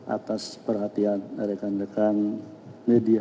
atas perhatian dari rekan rekan media